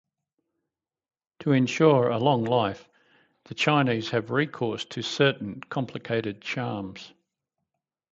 To ensure a long life the Chinese have recourse to certain complicated charms.